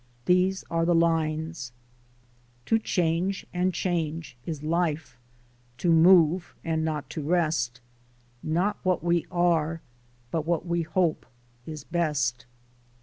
These are the lines : To change and change is life, to move and not to rest, Not what we are, but what we hope, is best."